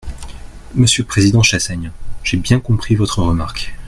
Monsieur le président Chassaigne, j’ai bien compris votre remarque.